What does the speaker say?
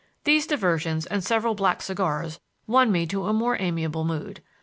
These diversions and several black cigars won me to a more amiable mood.